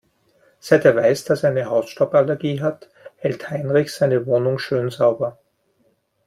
Seit er weiß, dass er eine Hausstauballergie hat, hält Heinrich seine Wohnung schön sauber.